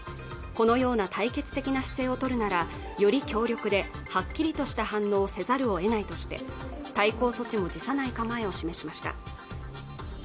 このような対決的な姿勢をとるならより強力ではっきりとした反応をせざるを得ないとして対抗措置も辞さない構えを示しました